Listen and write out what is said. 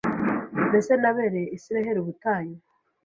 Mbese nabereye Isirayeli ubutayu,